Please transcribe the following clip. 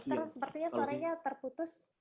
dokter sepertinya suaranya terputus